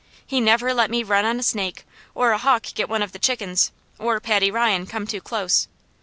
He never let me run on a snake, or a hawk get one of the chickens, or Paddy Ryan come too close.